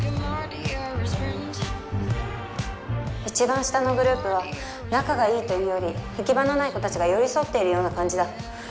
一番下のグループは仲が良いというより行き場のない子たちが寄り添っているような感じだ。